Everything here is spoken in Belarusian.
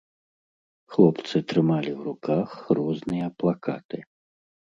Хлопцы трымалі ў руках розныя плакаты.